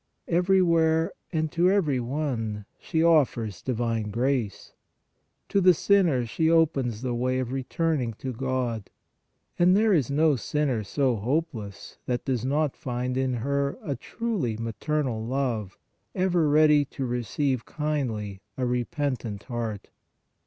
Everywhere and to every one she offers divine grace ; to the sinner she opens the way of returning to God, and there is no sinner so hopeless that does not find in her a truly maternal love ever ready to receive kindly a repentant heart.